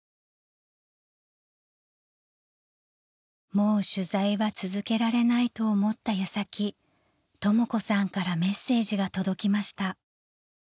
［もう取材は続けられないと思った矢先とも子さんからメッセージが届きました］